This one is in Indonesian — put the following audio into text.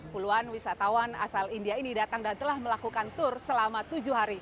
puluhan wisatawan asal india ini datang dan telah melakukan tur selama tujuh hari